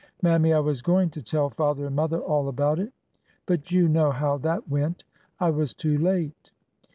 Mammy, I was going to tell father and mother all about it,— but you know how that went. I was too late.